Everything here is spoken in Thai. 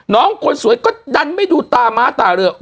คนสวยก็ดันไม่ดูตาม้าตาเรือ